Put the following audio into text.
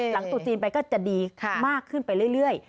ตุจีนไปก็จะดีมากขึ้นไปเรื่อย